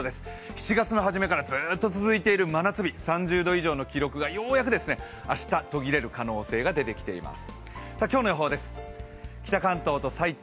７月の初めから続いている真夏日、３０度以上の記録がようやく明日途切れる可能性が出てきています。